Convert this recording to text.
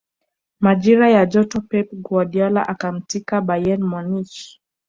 majira ya joto pep guardiola akatimka bayern munich